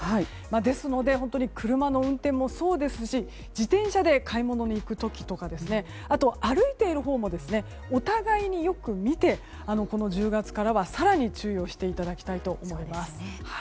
ですので本当に車の運転もそうですし自転車で買い物に行く時とか歩いているほうもお互いによく見てこの１０月からは更に注意をしていただきたいと思います。